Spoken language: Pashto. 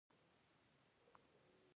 دوی د تیلو او وریجو تجارت کوي.